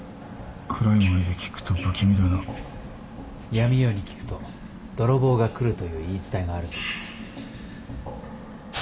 闇夜に聞くと泥棒が来るという言い伝えがあるそうです。